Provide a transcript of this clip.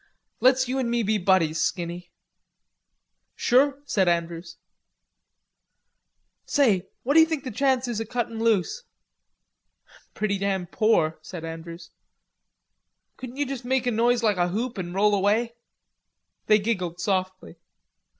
"Let's you and me be buddies, Skinny." "Sure," said Andrews. "Say, what d'you think the chance is o' cuttin' loose?" "Pretty damn poor," said Andrews. "Couldn't you just make a noise like a hoop an' roll away?" They giggled softly.